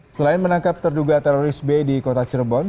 selain menangkap terduga teroris b di kota cirebon